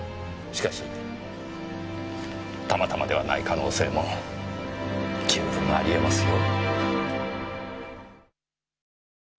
しかしたまたまではない可能性も十分ありえますよ。